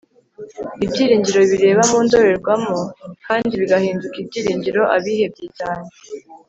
Ibyiringiro bireba mu ndorerwamo kandi bigahinduka ibyiringiro abihebye cyane